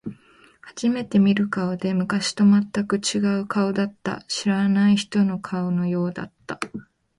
初めて見る顔で、昔と全く違う顔だった。知らない人の顔のようだった。